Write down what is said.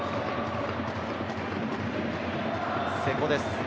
瀬古です。